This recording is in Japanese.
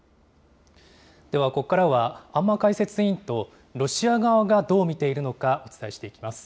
では、ここからは安間解説委員とロシア側がどう見ているのかお伝えしていきます。